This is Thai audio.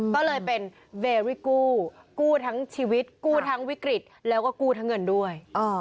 ก็เลยเป็นเบรี่กู้กู้ทั้งชีวิตกู้ทั้งวิกฤตแล้วก็กู้ทั้งเงินด้วย